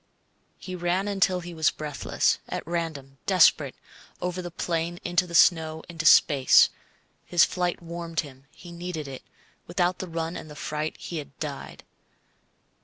He ran until he was breathless, at random, desperate, over the plain into the snow, into space. His flight warmed him. He needed it. Without the run and the fright he had died.